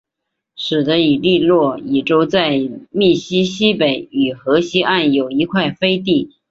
使得伊利诺伊州在密西西比河西岸有一块飞地。